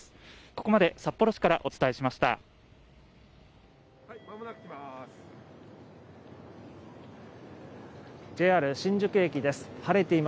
ここまで、札幌市からお伝えしま